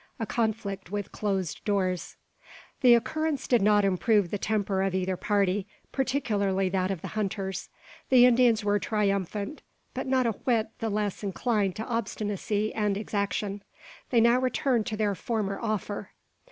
A CONFLICT WITH CLOSED DOORS. The occurrence did not improve the temper of either party, particularly that of the hunters. The Indians were triumphant, but not a whit the less inclined to obstinacy and exaction. They now returned to their former offer.